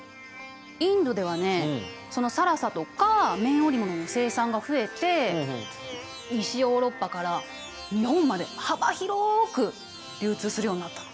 インドではねその更紗とか綿織物の生産が増えて西ヨーロッパから日本まで幅広く流通するようになったの。